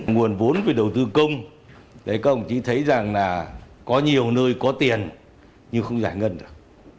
nguồn vốn về đầu tư công các ông chí thấy rằng là có nhiều nơi có tiền nhưng không giải ngân được